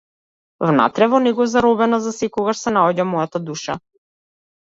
Внатре во него, заробена засекогаш, се наоѓа мојата душа.